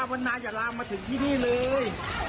ขอพาวันนายลางมาถึงที่นี่เลย